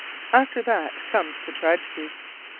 After that comes the tragedy.